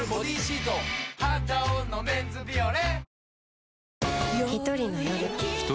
「肌男のメンズビオレ」